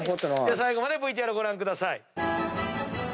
最後までＶＴＲご覧ください。